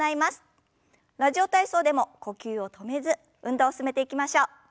「ラジオ体操」でも呼吸を止めず運動を進めていきましょう。